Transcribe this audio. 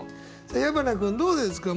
矢花君どうですか？